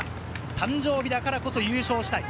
誕生日だからこそ優勝したい。